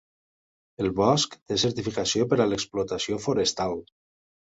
El bosc té certificació per a l'explotació forestal.